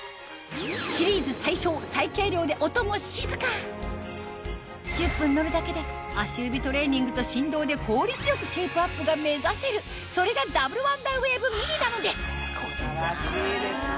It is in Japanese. シリーズ最小最軽量で音も静か１０分乗るだけで足指トレーニングと振動で効率よくシェイプアップが目指せるそれがダブルワンダーウェーブミニなのですすごいなぁ。